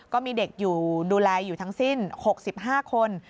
ก็มีเด็กอยู่ดูแลอยู่ทั้งสิ้น๖๕คน